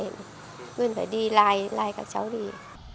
nguyên phải đi lai lai các cháu đi